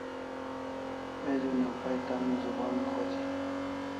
Page una pai tan zuban khoji